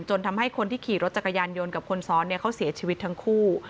ทำให้คนที่ขี่รถจักรยานยนต์กับคนซ้อนเนี่ยเขาเสียชีวิตทั้งคู่